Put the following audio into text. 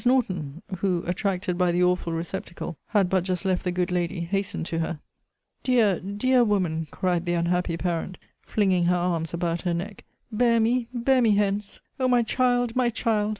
Norton, who (attracted by the awful receptacle) had but just left the good lady, hastened to her Dear, dear woman, cried the unhappy parent, flinging her arms about her neck, bear me, bear me hence! O my child! my child!